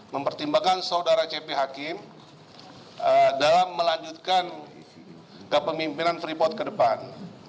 mempertimbangkan saudara cepi hakim dalam melanjutkan kepemimpinan freeport ke depan